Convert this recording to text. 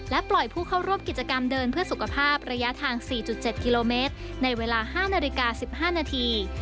ปล่อยผู้เข้าร่วมกิจกรรมเดินเพื่อสุขภาพระยะทาง๔๗กิโลเมตรในเวลา๕นาฬิกา๑๕นาที